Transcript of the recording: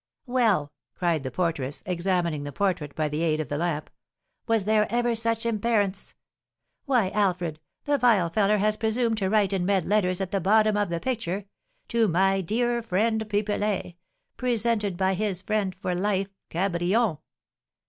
"Well," cried the porteress, examining the portrait by the aid of the lamp, "was there ever such imperance? Why, Alfred, the vile feller has presumed to write in red letters at the bottom of the picture, 'To my dear friend Pipelet; presented by his friend for life, Cabrion!'"